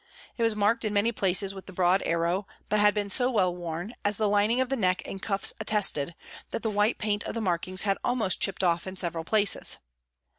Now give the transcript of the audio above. It was marked in many places with the broad arrow, but had been so well worn, as the lining of the neck and cuffs attested, that the white paint of the markings had almost chipped off in several places.